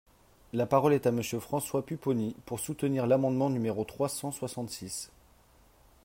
La parole est à Monsieur François Pupponi, pour soutenir l’amendement numéro trois cent soixante-six.